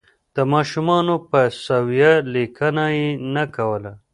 د ماشومانو په سویه لیکنه یې نه کوله.